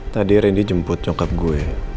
tadi randy jemput coklat gue